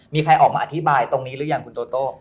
มีใครออกมาอธิบายตรงนี้หรือยังคุณโตโต้